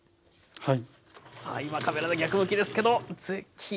はい。